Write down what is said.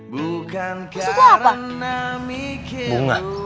bukan karena mikir duetnya negara